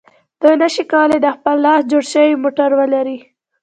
دوی نشي کولای د خپل لاس جوړ شوی موټر ولري.